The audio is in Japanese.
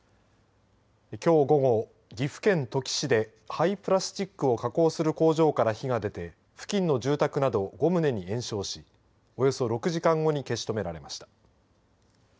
きょう午後、岐阜県土岐市で廃プラスチックを加工する工場から火が出て付近の住宅など５棟に延焼しおよそ６時間後に消し止められました。